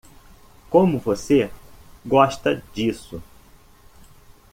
Como você gosta disso?